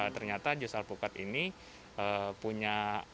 ternyata jus alpukat ini punya